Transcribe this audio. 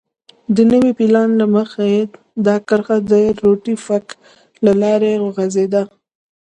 د نوي پلان له مخې دا کرښه د روټي فنک له لارې غځېده.